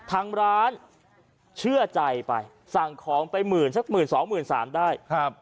ทางร้านเชื่อใจไปสั่งของไปหมื่นสักหมื่นสองหมื่นสามได้ครับ